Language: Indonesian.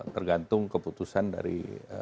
tergantung keputusan dari